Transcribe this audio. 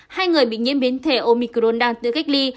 hai người bị nhiễm biến thể omicron đang tự cách ly